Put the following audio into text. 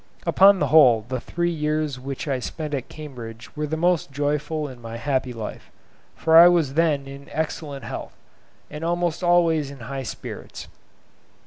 Upon the whole the three years which I spent at Cambridge were the most joyful in my happy life; for I was then in excellent health, and almost always in high spirits.